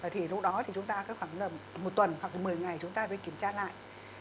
thì lúc đó thì chúng ta khoảng một tuần hoặc một mươi ngày chúng ta phải kiểm tra lại